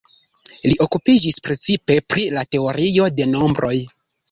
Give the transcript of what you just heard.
Li okupiĝis precipe pri la teorio de nombroj.